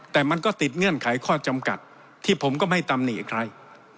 แต่มันก็ติดเงื่อนไขข้อจำกัดที่ผมก็ไม่ตำหนิใคร